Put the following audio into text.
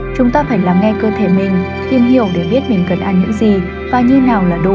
chúng ta phải lắng nghe cơ thể mình tìm hiểu để biết mình cần ăn những gì và như nào là đủ